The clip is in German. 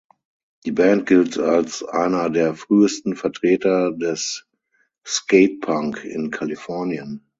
Die Band gilt als einer der frühesten Vertreter des Skatepunk in Kalifornien.